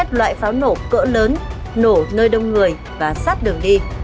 các loại pháo nổ cỡ lớn nổ nơi đông người và sát đường đi